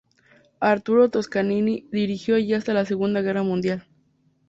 Arturo Toscanini dirigió allí hasta la Segunda Guerra Mundial.